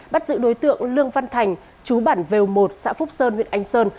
bắt giữ đối tượng lương văn thành chú bản vèo một xã phúc sơn huyện anh sơn